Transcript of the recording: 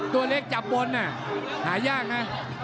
ตัวเล็กจับบนหายากนะ